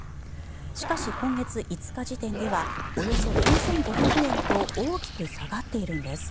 しかし、今月５日時点ではおよそ９５００円と大きく下がっているんです。